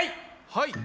はい。